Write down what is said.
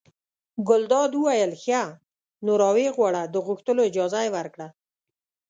ګلداد وویل ښه! نو را ویې غواړه د غوښتلو اجازه یې ورکړه.